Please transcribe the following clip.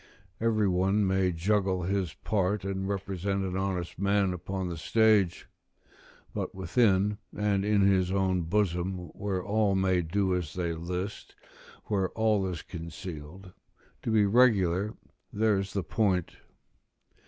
Every one may juggle his part, and represent an honest man upon the stage: but within, and in his own bosom, where all may do as they list, where all is concealed, to be regular, there's the point.